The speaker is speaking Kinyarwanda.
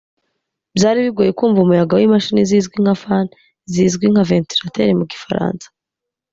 byari bigoye kumva umuyaga w’imashini zizwi nka ‘fan’ [zizwi nka ventilateur mu Gifaransa]